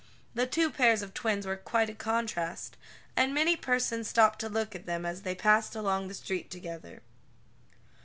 The two pairs of twins were quite a contrast, and many persons stopped to look at them as they passed along the street together.